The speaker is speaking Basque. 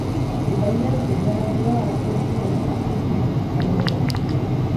Epaileak deklarazioa hartu ondoren aske utzi du, karguekin.